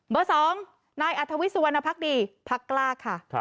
เบอร์สองนายอัธวิสวณภักดีพักกล้าค่ะ